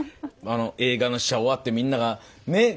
あの映画の試写終わってみんながね